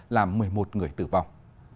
là một mươi một người tử vong